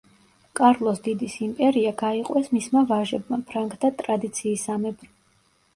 კარლოს დიდის იმპერია გაიყვეს მისმა ვაჟებმა ფრანკთა ტრადიციისამებრ.